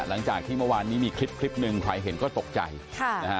หลังจากที่เมื่อวานนี้มีคลิปคลิปหนึ่งใครเห็นก็ตกใจค่ะนะฮะ